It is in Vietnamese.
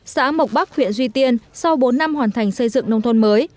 xã mộc bắc huyện duy tiên sau bốn năm hoàn thành xây dựng nông thôn mới